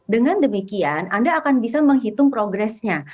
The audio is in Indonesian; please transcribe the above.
dengan demikian anda akan bisa menghitung progress nya